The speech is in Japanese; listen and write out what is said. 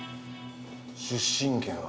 出身県は。